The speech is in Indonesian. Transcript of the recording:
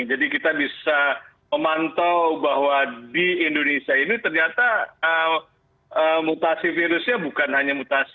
jadi kita bisa memantau bahwa di indonesia ini ternyata mutasi virusnya bukan hanya mutasi